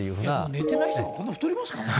寝てない人がこんなに太りますかね？